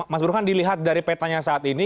mas burhan dilihat dari petanya saat ini